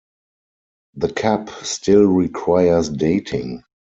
The cup still requires dating.